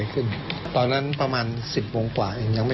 ก่อนเนี่ยทุกครั้ง